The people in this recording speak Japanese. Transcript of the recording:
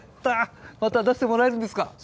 また出してもらえるんですか？